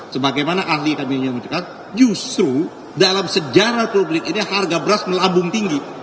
sebagaimana ahli kami ingin menunjukkan justru dalam sejarah publik ini harga beras melambung tinggi